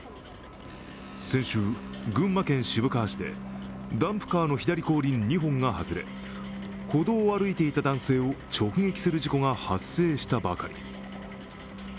先週、群馬県渋川市でダンプカーの左後輪２本が外れ、歩道を歩いていた男性を直撃する事故が発生したばかり。